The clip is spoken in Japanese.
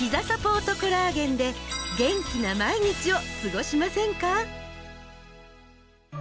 サポートコラーゲンで元気な毎日を過ごしませんか？